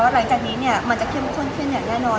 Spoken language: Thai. ว่ารายการนี้มันจะเข้มข้นขึ้นแน่นอน